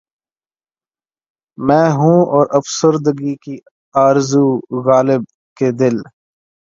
میں ہوں اور افسردگی کی آرزو غالبؔ کہ دل